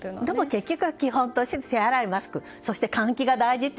結局は、基本として手洗い、マスク、換気が大事。